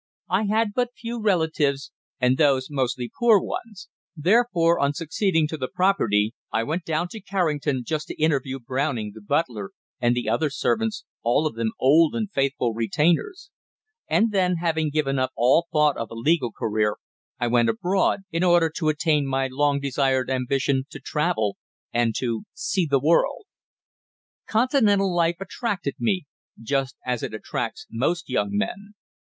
I had but few relatives, and those mostly poor ones; therefore, on succeeding to the property, I went down to Carrington just to interview Browning, the butler, and the other servants, all of them old and faithful retainers; and then, having given up all thought of a legal career, I went abroad, in order to attain my long desired ambition to travel, and to "see the world." Continental life attracted me, just as it attracts most young men.